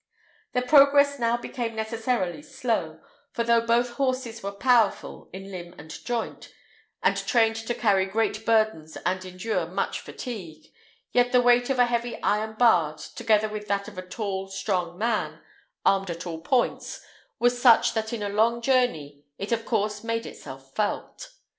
Their progress now became necessarily slow; for though both horses were powerful in limb and joint, and trained to carry great burdens and endure much fatigue, yet the weight of a heavy iron bard, together with that of a tall strong man armed at all points, was such that in a long journey it of course made itself felt.